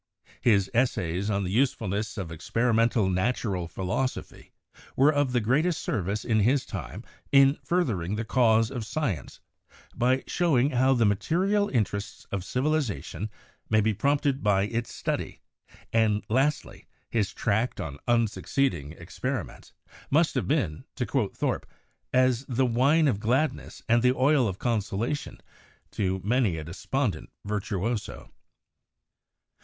His 'Essays on the Use fulness of Experimental Natural Philosophy' were of the greatest service in his time in furthering the cause of science by showing how the material interests of civiliza tion may be promoted by its study; and, lastly, his tract on 'Unsucceeding Experiments' must have been, to quote Thorpe, "as the wine of gladness and the oil of consola tion to many a despondent virtuoso."